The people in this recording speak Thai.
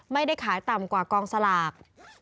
ไม่ได้ขายต่ำกว่ากองสลาก